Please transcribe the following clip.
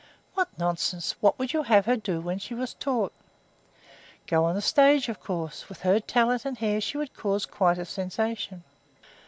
"What nonsense! What would you have her do when she was taught?" "Go on the stage, of course. With her talent and hair she would cause quite a sensation."